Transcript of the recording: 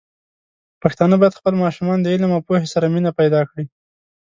پښتانه بايد خپل ماشومان د علم او پوهې سره مینه پيدا کړي.